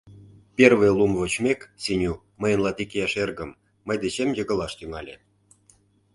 Первый лум вочмек, Сеню, мыйын латик ияш эргым, мый дечем йыгылаш тӱҥале: